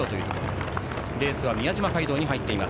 レースは宮島街道に入ってます。